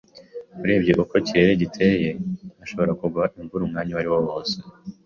Urebye uko ikirere giteye, hashobora kugwa imvura umwanya uwariwo wose.